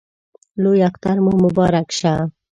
لوی اختر مو مبارک شه!